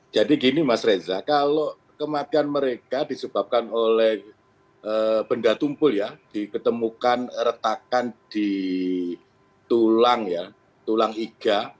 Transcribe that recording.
jadi gini mas reza kalau kematian mereka disebabkan oleh benda tumpul ya diketemukan retakan di tulang ya tulang iga